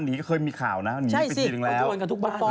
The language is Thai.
หนีก็เคยมีข่าวนะหนีไปทีหนึ่งแล้วใช่สิเพราะปันกันทุกบ้าน